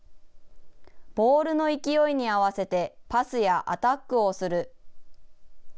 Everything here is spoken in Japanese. ボールの勢いに合わせてパスやアタックをする。